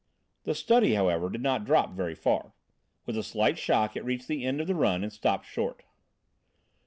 The study, however, did not drop very far. With a slight shock it reached the end of the run and stopped short.